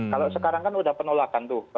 kalau sekarang kan udah penolakan tuh